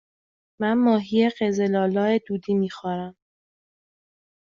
من ماهی قزل آلا دودی می خورم.